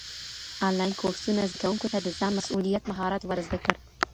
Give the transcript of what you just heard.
انلاين کورسونه زده کوونکو ته د ځان مسؤليت مهارت ورزده کړ.